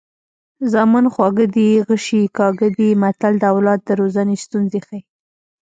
زامن خواږه دي غشي یې کاږه دي متل د اولاد د روزنې ستونزې ښيي